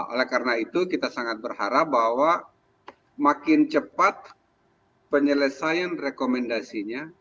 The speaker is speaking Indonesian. oleh karena itu kita sangat berharap bahwa makin cepat penyelesaian rekomendasinya